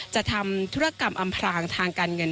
ทำธุรกรรมอำพรางทางการเงิน